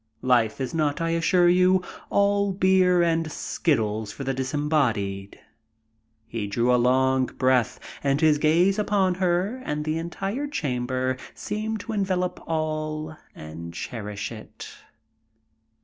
Life is not, I assure you, all beer and skittles for the disembodied." He drew a long breath, and his gaze upon her and the entire chamber seemed to envelop all and cherish it.